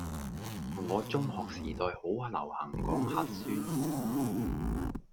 我中學時代好流行講核酸